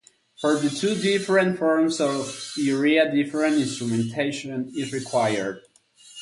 For the two different forms of urea, different instrumentation is required.